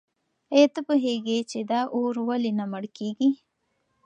آیا ته پوهېږې چې دا اور ولې نه مړ کېږي؟